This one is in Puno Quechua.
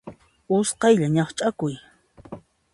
Usqhaylla ñaqch'akuy.